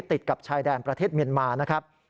ติดกับชายแดนประเทศเมียนมานะครับ